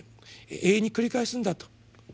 永遠に繰り返すんだと。